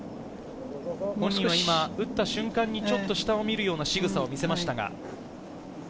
本人は打った瞬間にちょっと下を見るような仕草を見せました。